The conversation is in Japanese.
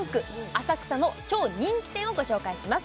浅草の超人気店をご紹介します